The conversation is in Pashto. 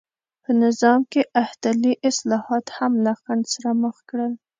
په نظام کې احتلي اصلاحات هم له خنډ سره مخ کړل.